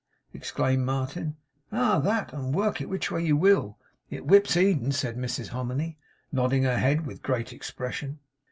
exclaimed Martin. 'Ah! that; and work it which way you will, it whips Eden,' said Mrs Hominy, nodding her head with great expression.